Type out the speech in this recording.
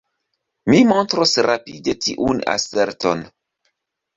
Mi montros rapide tiun aserton".